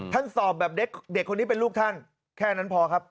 สอบแบบเด็กคนนี้เป็นลูกท่านแค่นั้นพอครับ